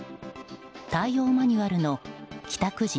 対応マニュアルの帰宅時